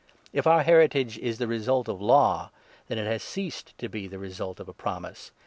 If our heritage is the result of Law, then it has ceased 18 to be the result of a promise.